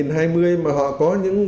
năm hai nghìn hai mươi mà họ có những